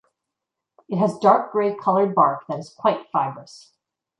It has dark grey coloured bark that is quite fibrous.